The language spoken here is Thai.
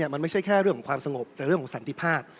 มันไม่ใช่แค่เรื่องของความสงบแต่เรื่องของสันติภาพ